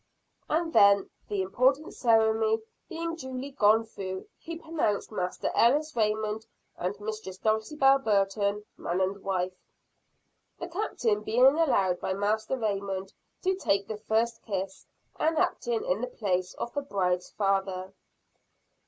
And then the important ceremony being duly gone through he pronounced Master Ellis Raymond and Mistress Dulcibel Burton man and wife. The Captain being allowed by Master Raymond to take the first kiss, as acting in the place of the bride's father.